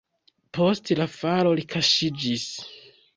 Post la falo li kaŝiĝis.